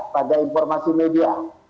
pada informasi media